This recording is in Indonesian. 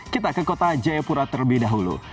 kita ke kota jayapura terlebih dahulu